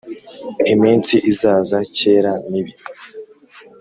iminsi izaza kera mibi